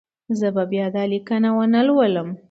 زه به بیا دا لیکنه ونه لولم.